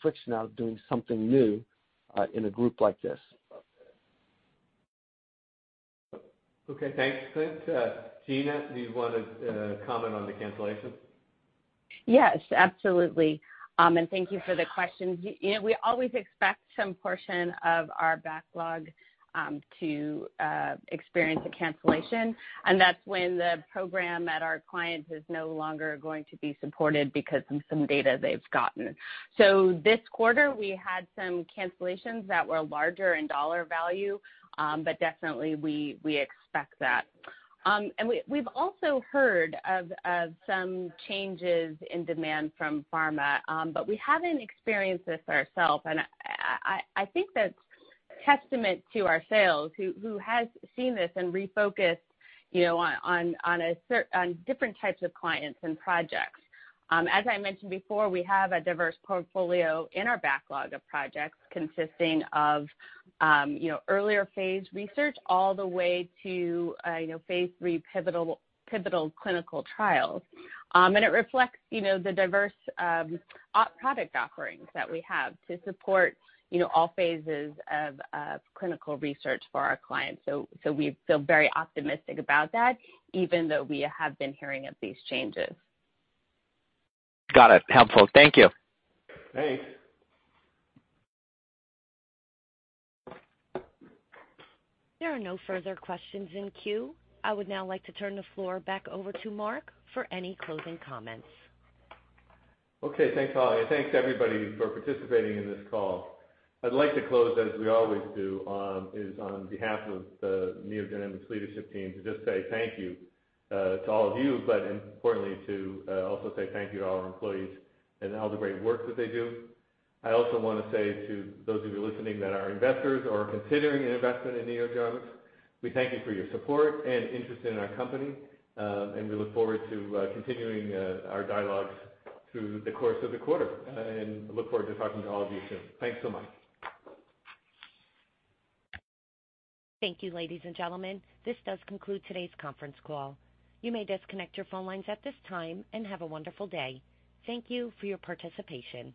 S: friction out of doing something new, in a group like this.
B: Okay. Thanks, Clynt. Gina, do you wanna comment on the cancellations?
P: Yes, absolutely. Thank you for the question. You know, we always expect some portion of our backlog to experience a cancellation, and that's when the program at our client is no longer going to be supported because of some data they've gotten. This quarter, we had some cancellations that were larger in dollar value, but definitely we expect that. We have also heard of some changes in demand from pharma, but we haven't experienced this ourselves. I think that's testament to our sales, who has seen this and refocused, you know, on different types of clients and projects. As I mentioned before, we have a diverse portfolio in our backlog of projects consisting of, you know, earlier phase research all the way to, you know, phase III pivotal clinical trials. It reflects, you know, the diverse product offerings that we have to support, you know, all phases of clinical research for our clients. We feel very optimistic about that, even though we have been hearing of these changes.
R: Got it. Helpful. Thank you.
B: Thanks.
A: There are no further questions in queue. I would now like to turn the floor back over to Mark for any closing comments.
B: Okay, thanks, Holly. Thanks everybody for participating in this call. I'd like to close, as we always do, on behalf of the NeoGenomics leadership team to just say thank you to all of you, but importantly to also say thank you to all our employees and all the great work that they do. I also wanna say to those of you listening that are investors or considering an investment in NeoGenomics, we thank you for your support and interest in our company, and we look forward to continuing our dialogues through the course of the quarter, and look forward to talking to all of you soon. Thanks so much.
A: Thank you, ladies and gentlemen. This does conclude today's conference call. You may disconnect your phone lines at this time, and have a wonderful day. Thank you for your participation.